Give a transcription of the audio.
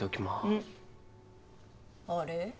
うん。あれ？